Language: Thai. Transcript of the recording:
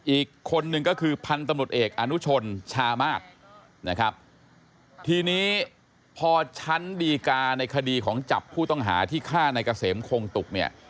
อีกคนนึงก็คือพันธุ์ตำรวจเอกอนุชนชามาศนะครับทีนี้พอชั้นดีกาในคดีของจับผู้ต้องหาที่ฆ่าในเกษมคงตุกเนี่ย